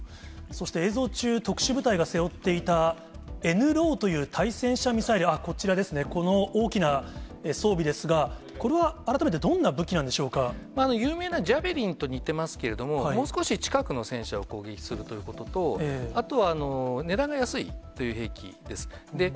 そして映像中、特殊部隊が背負っていたＮＬＡＷという対戦車ミサイル、こちらですね、この大きな装備ですが、これは改めて、どんな武器なんで有名なジャベリンと似ていますけれども、もう少し近くの戦車を攻撃するということと、あとは値段が安いという兵器です。